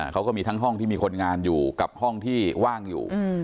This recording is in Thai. เขาก็มีทั้งห้องที่มีคนงานอยู่กับห้องที่ว่างอยู่